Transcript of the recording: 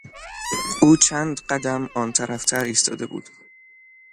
او چند قدم آنطرفتر ایستاده بود.